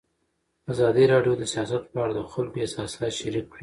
ازادي راډیو د سیاست په اړه د خلکو احساسات شریک کړي.